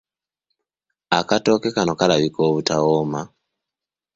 Akatooke kano kalabika obutawooma.